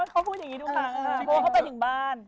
เขาพูดอย่างนี้ทุกครั้งโบ้เขาไปถึงบ้าน